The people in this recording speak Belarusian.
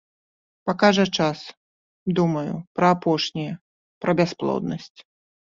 Пакажа час, думаю, пра апошняе, пра бясплоднасць.